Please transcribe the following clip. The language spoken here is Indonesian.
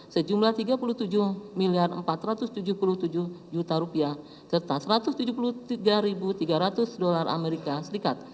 sejumlah rp tiga puluh tujuh empat ratus tujuh puluh tujuh serta rp satu ratus tujuh puluh tiga tiga ratus amerika serikat